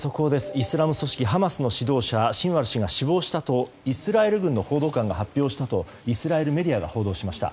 イスラム組織ハマスの指導者シンワル氏が死亡したとイスラエル軍の報道官が発表したとイスラエルメディアが発表しました。